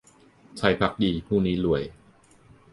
ไทยภักดีพรุ่งนี้รวย